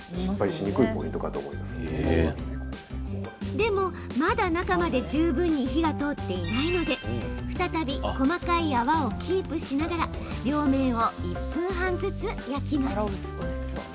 でもまだ、中まで十分に火が通っていないので再び、細かい泡をキープしながら両面を１分半ずつ焼きます。